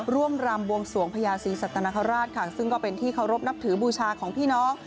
รำบวงสวงพญาศรีสัตนคราชค่ะซึ่งก็เป็นที่เคารพนับถือบูชาของพี่น้อง